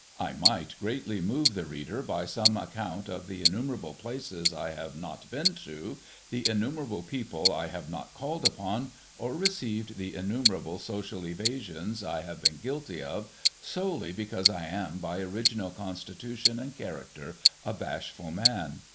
I might greatly move the reader by some account of the in numerable places I have not been to, the innumerable people I have not called upon or received, the innumerable social evasions I have been guilty of, solely because I am by original constitution and character a bashful man.